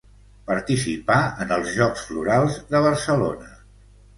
Participà en els Jocs Florals de Barcelona.